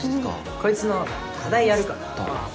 こいつの課題やるから。